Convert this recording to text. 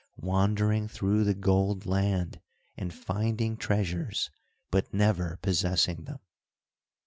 Wandering through the gold land, and finding treasures, but never possessing them.